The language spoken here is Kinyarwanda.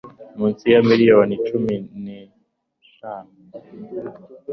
munsi ya miliyoni cumi n eshanu